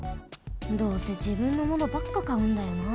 どうせじぶんのものばっかかうんだよな。